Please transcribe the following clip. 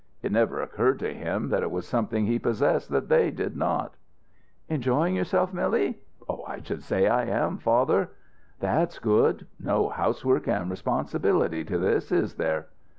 It never occurred to him that it was something he possessed that they did not. "Enjoying yourself, Milly?" "I should say I am, father." "That's good. No housework and responsibility to this, is there?"